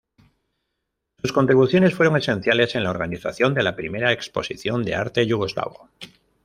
Sus contribuciones fueron esenciales en la organización de la I Exposición de Arte Yugoslavo.